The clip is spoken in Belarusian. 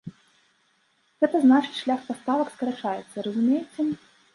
Гэта значыць, шлях паставак скарачаецца, разумееце?